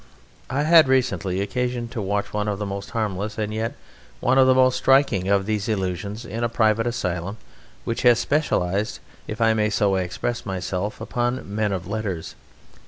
I had recently occasion to watch one of the most harmless and yet one of the most striking of these illusions in a private asylum which has specialized, if I may so express myself, upon men of letters.